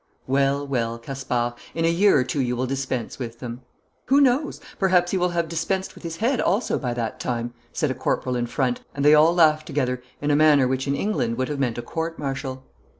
'Well, well, Caspar, in a year or two you will dispense with them.' 'Who knows? Perhaps he will have dispensed with his head also by that time,' said a corporal in front, and they all laughed together in a manner which in England would have meant a court martial.